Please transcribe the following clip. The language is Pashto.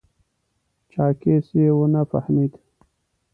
چاکېس یې و نه فهمېد.